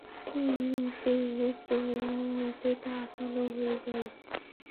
এতে তা আটালো হয়ে যায়।